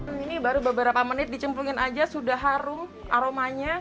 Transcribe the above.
ini baru beberapa menit dicempurin aja sudah harum aromanya